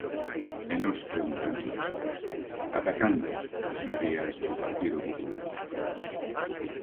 E nós preguntámonos: ¿ata cando, señorías do Partido Popular?